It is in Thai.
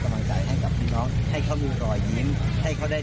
โอ้โหมาถึงคอเลียต้องใส่เสื้อสวยชีพนะเนี่ย